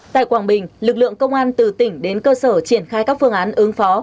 tại quảng bình lực lượng công an từ tỉnh đến cơ sở triển khai các phương án ứng phó